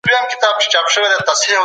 هر انسان حق لري چي له خطر څخه ځان وژغوري.